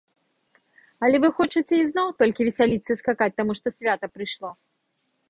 Але вы хочаце ізноў толькі весяліцца і скакаць таму што свята прыйшло?